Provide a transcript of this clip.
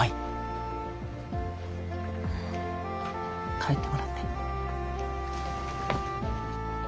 帰ってもらって。